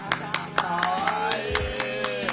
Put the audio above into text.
かわいい。